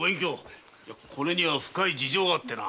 これには深い事情があってな。